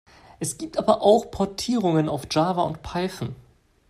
Es gibt aber auch Portierungen auf Java und Python.